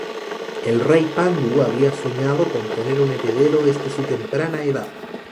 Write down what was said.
El Rey Pandu había soñado con tener a un heredero desde su temprana edad.